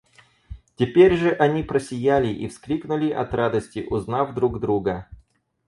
Теперь же они просияли и вскрикнули от радости, узнав друг друга.